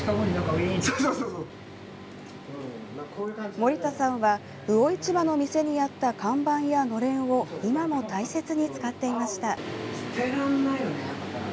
森田さんは魚市場の店にあった看板や、のれんを今も大切に使っていました。